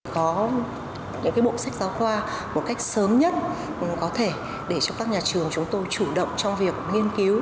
có những bộ sách giáo khoa một cách sớm nhất có thể để cho các nhà trường chúng tôi chủ động trong việc nghiên cứu